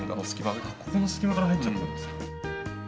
ここの隙間から入っちゃったんですか？